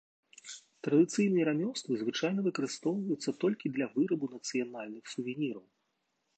Традыцыйныя рамёствы звычайна выкарыстоўваюцца толькі для вырабу нацыянальных сувеніраў.